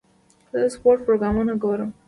زه د سپورټ پروګرامونه ګورم.